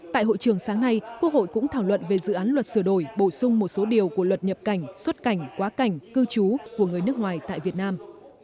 tại hội trường sáng nay quốc hội cũng thảo luận về dự án luật sửa đổi bổ sung một số điều của luật nhập cảnh xuất cảnh quá cảnh cư trú của người nước ngoài tại việt nam